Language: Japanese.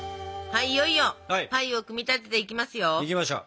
はいいよいよパイを組み立てていきますよ。いきましょう。